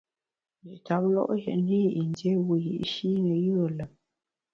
Nji tap lo’ yètne i yin dié wiyi’shi ne yùe lùm.